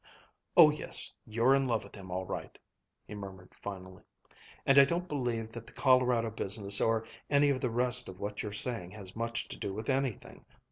"Oh yes, you're in love with him, all right!" he murmured finally, "and I don't believe that the Colorado business or any of the rest of what you're saying has much to do with anything.